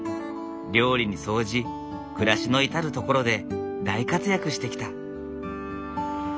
料理に掃除暮らしの至る所で大活躍してきた。